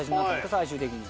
最終的に。